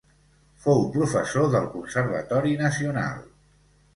Fou professor del Conservatori Nacional.